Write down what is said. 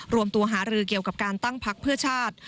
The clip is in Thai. รวมตัวหารือเกี่ยวกับการตั้งพักเพื่อชาติ